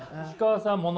石川さん